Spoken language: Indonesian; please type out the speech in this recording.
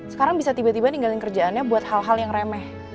sekarang bisa tiba tiba ninggalin kerjaannya buat hal hal yang remeh